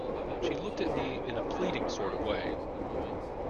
She looked at me in a pleading sort of way.